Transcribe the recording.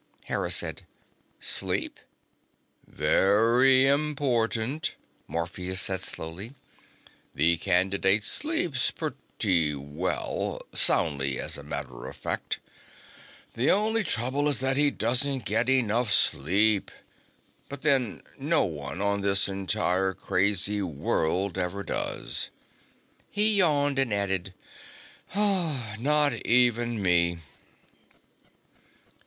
Hera said: "Sleep?" "Very important," Morpheus said slowly, "the candidate sleeps pretty well soundly, as a matter of fact. The only trouble is that he doesn't get enough sleep. But then, no one on this entire crazy world ever does." He yawned and added: "Not even me."